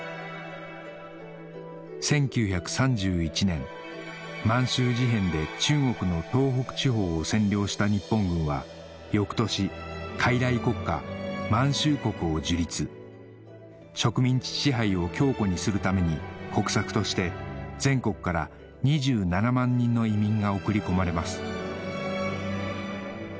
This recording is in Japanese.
１９３１年満州事変で中国の東北地方を占領した日本軍は翌年傀儡国家満州国を樹立植民地支配を強固にするために国策として全国から２７万人の移民が送り込まれます